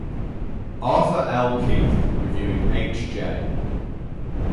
Arthur L. Keith, reviewing H. J.